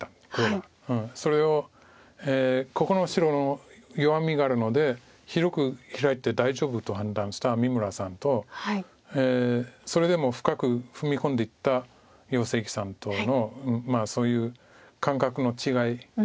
それをここの白の弱みがあるので広くヒラいて大丈夫と判断した三村さんとそれでも深く踏み込んでいった余正麒さんとのまあそういう感覚の違い。